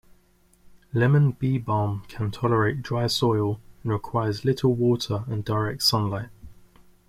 Lemon beebalm can tolerate dry soil, and requires little water and direct sun light.